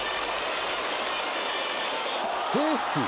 セーフティー。